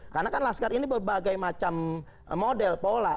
karena kan laskar ini berbagai macam model pola